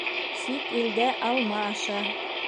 Сит илдә алма аша